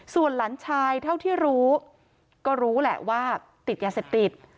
ส่วนหลานชายเท่าที่รู้ก็รู้แหละว่าติดยาเสพติด